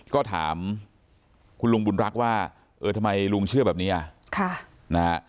ก็ถามคุณลุงบุญรักษ์ว่าเออทำไมลุงเชื่อแบบนี้อ่ะค่ะนะฮะ